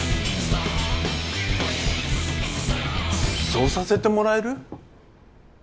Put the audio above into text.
そうさせてもらえる？